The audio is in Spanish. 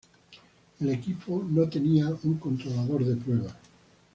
El equipo no tenía un controlador de prueba.